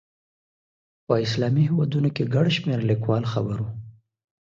په اسلامي هېوادونو کې ګڼ شمېر لیکوال خبر وو.